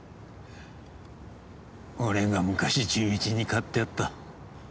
俺が昔純一に買ってやった。